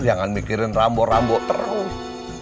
jangan mikirin ambo ambo terus